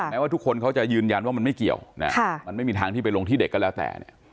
ว่าทุกคนเขาจะยืนยันว่ามันไม่เกี่ยวมันไม่มีทางที่ไปลงที่เด็กก็แล้วแต่เนี่ย